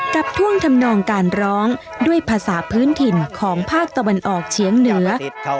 ท่วงทำนองการร้องด้วยภาษาพื้นถิ่นของภาคตะวันออกเฉียงเหนือ